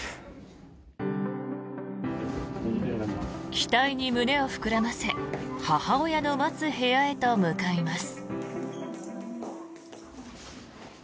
期待に胸を膨らませ母親の待つ部屋へと向かいます。